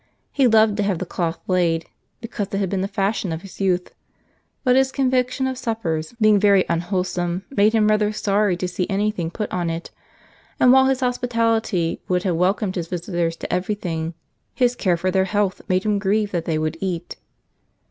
He loved to have the cloth laid, because it had been the fashion of his youth, but his conviction of suppers being very unwholesome made him rather sorry to see any thing put on it; and while his hospitality would have welcomed his visitors to every thing, his care for their health made him grieve that they would eat.